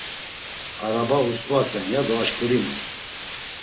Araba ustvasen ya do aşkurinu.